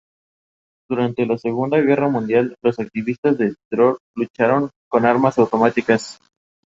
Estuvo casado con la primera actriz Antonia Herrero.